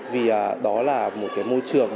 vì đó là một cái môi trường